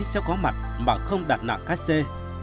sẽ có mặt mà không đặt nặng cát xê